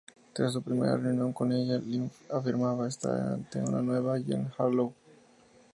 Tras su primera reunión con ella, Lyon afirmaba estar ante una nueva Jean Harlow.